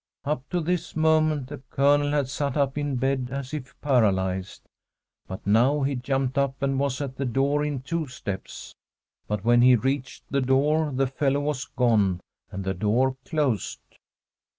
Up to this moment the Colonel had sat up in bed as if paralyzed, but now he jumped up and was at the door in two steps. But when he reached the door, the fellow was gone and the door closed.